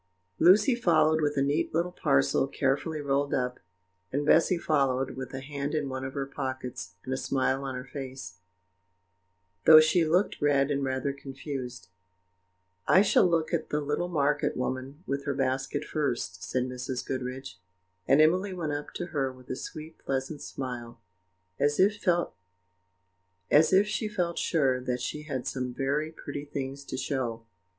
Lucy followed with a neat little parcel, carefully rolled up; and Bessy followed, with a hand in one of her pockets, and a smile on her face, though she looked red and rather confused. "I shall look at the little market woman with her basket first," said Mrs. Goodriche; and Emily went up to her with a sweet pleasant smile, as if she felt sure that she had some very pretty things to show.